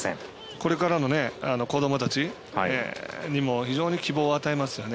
これからの子どもたちにも非常に希望を与えますよね。